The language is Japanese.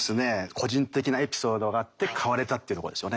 個人的なエピソードがあって変われたっていうとこですよね。